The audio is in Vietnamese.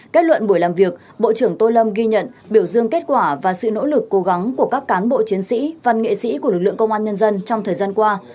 kết luận buổi làm việc bộ trưởng tô lâm ghi nhận biểu dương kết quả và sự nỗ lực cố gắng của các cán bộ chiến sĩ văn nghệ sĩ của lực lượng công an nhân dân trong thời gian qua